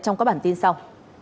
trong các bản tin sau